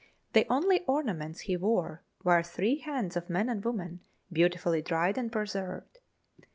The only ornaments he wore were three hands of men and women, beautifully dried and preserved.